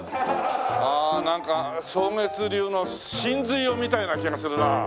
ああなんか草月流の神髄を見たような気がするな。